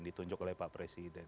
ditunjuk oleh pak presiden